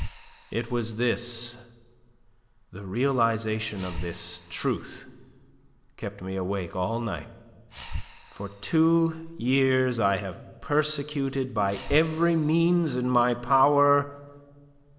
It was this the realization of this truth kept me awake all night. For two years I have persecuted by every means in my power...